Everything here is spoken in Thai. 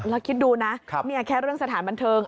แล้วคิดดูนะนี่แค่เรื่องสถานบันเทิง